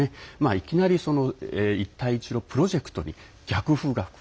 いきなり一帯一路プロジェクトに逆風が吹く。